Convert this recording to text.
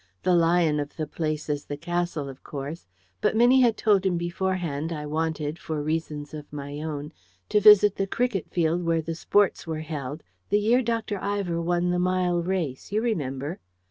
The lion of the place is the castle, of course; but Minnie had told him beforehand I wanted, for reasons of my own, to visit the cricket field where the sports were held "the year Dr. Ivor won the mile race, you remember."